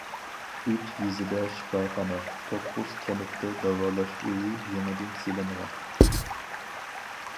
ئۈچ يېزىدا شىپاخانا، توققۇز كەنتتە داۋالاش ئۆيى يېڭىدىن سېلىنغان.